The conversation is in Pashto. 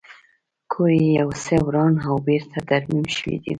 کور یې یو څه وران او بېرته ترمیم شوی و